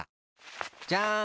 じゃん！